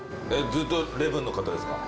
ずっと礼文の方ですか？